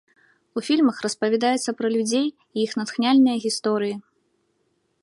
У фільмах распавядаецца пра людзей і іх натхняльныя гісторыі.